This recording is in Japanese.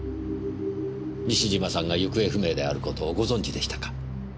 西島さんが行方不明である事をご存じでしたか。